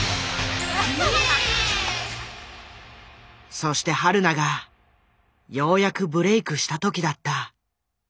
そしてはるながようやくブレークした時だった。